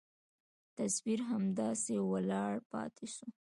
تصوير همداسې ولاړ پاته سو.